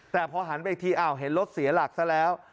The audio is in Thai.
แต่พอหันไปอีกทีอ้าวเห็นรถเสียหลักซะแล้ว